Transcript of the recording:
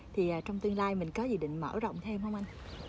thì trong tương lai mình có gì định mở rộng thêm không anh